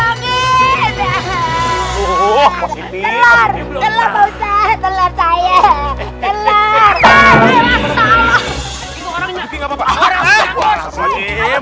yang lebih muda hai hai lelokin